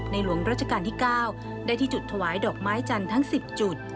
หลวงรัชกาลที่๙ได้ที่จุดถวายดอกไม้จันทร์ทั้ง๑๐จุด